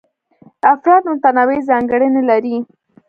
افراد متنوع ځانګړنې لري.